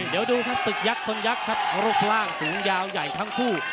สึกยักษ์ชนยักษ์ครับรกล่างสูงยาวใหญ่ทั้งคู่